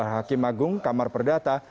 hakim agung kamar perdata